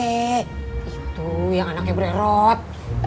itu yang anaknya beredot